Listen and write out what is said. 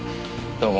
どうも。